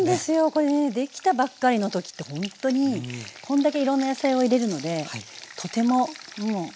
これねできたばっかりの時ってほんとにこんだけいろんな野菜を入れるのでとてももう。